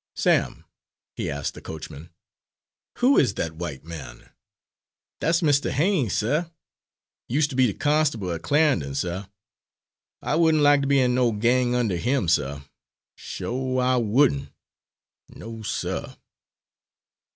"Sam," he asked the coachman, "who is that white man?" "Dat's Mistah Haines, suh use' ter be de constable at Cla'endon, suh. I wouldn' lak to be in no gang under him, suh, sho' I wouldn', no, suh!"